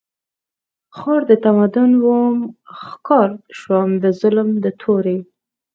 ښار د تمدن وم ښکار شوم د ظالم د تورې